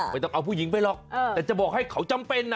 ต้องเอาผู้หญิงไปหรอกแต่จะบอกให้เขาจำเป็นนะ